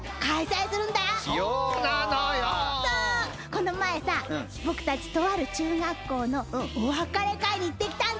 この前さ僕たちとある中学校のお別れ会に行ってきたんだよ。